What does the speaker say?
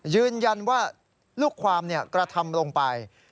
ยืนยันว่าลูกความกระทำลงไป